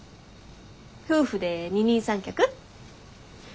夫婦で二人三脚？